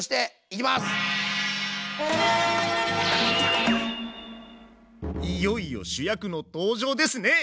続いてはいよいよ主役の登場ですね！